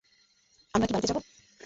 আমরা কি বাড়িতে যাব?